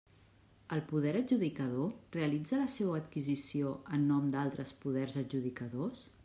El poder adjudicador realitza la seua adquisició en nom d'altres poders adjudicadors?